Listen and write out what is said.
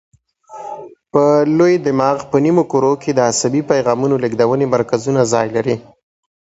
په لوی دماغ په نیمو کرو کې د عصبي پیغامونو لېږدونې مرکزونه ځای لري.